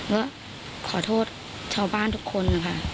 เพราะว่าขอโทษชาวบ้านทุกคนอะค่ะ